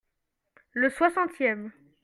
Le soixantième.